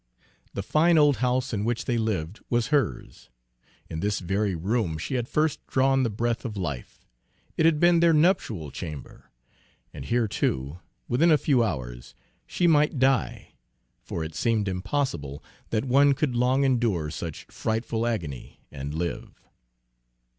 The fine old house in which they lived was hers. In this very room she had first drawn the breath of life; it had been their nuptial chamber; and here, too, within a few hours, she might die, for it seemed impossible that one could long endure such frightful agony and live.